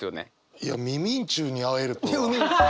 いや耳人に会えるとは。